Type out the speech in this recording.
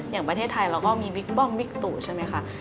อย่างประเทศไทยเราก็มีบิ๊กป้อมบิ๊กตุใช่ไหมคะ